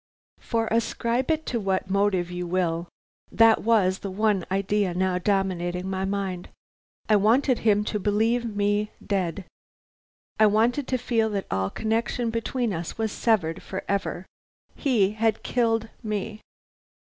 "For ascribe it to what motive you will, that was the one idea now dominating my mind. I wanted him to believe me dead. I wanted to feel that all connection between us was severed forever. He had killed me.